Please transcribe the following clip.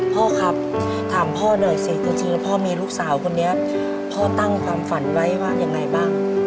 พ่อครับถามพ่อหน่อยสิจริงแล้วพ่อมีลูกสาวคนนี้พ่อตั้งความฝันไว้ว่ายังไงบ้าง